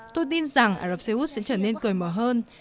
tôi tin rằng ả rập xê út sẽ trở nên cởi mở hơn